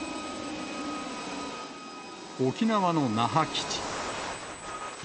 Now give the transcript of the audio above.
沖縄の那覇基地。